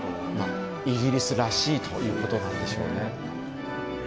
イギリスらしいということなんでしょうね。